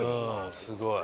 すごい。